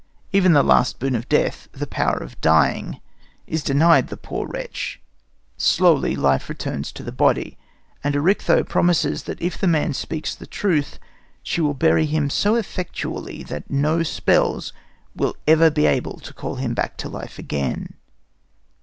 Even the last boon of death, the power of dying, is denied the poor wretch. Slowly the life returns to the body, and Erichtho promises that if the man speaks the truth she will bury him so effectually that no spells will ever be able to call him back to life again.